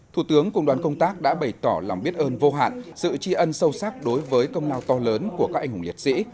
thủ tướng cùng đoàn công tác đã bày tỏ lòng biết ơn vô hạn sự tri ân sâu sắc đối với công lao to lớn của các anh hùng liệt sĩ